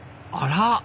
あら！